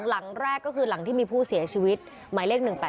หลังแรกก็คือหลังที่มีผู้เสียชีวิตหมายเลข๑๘๘